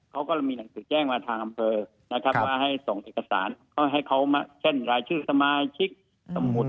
ก็มีหนังสือแจ้งมาทางอำเภอให้ส่องเอกสารต้องให้เขาเช่นลายชื่อสมาชิกสมุทร